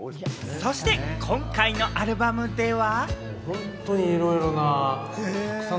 そして今回のアルバムでは。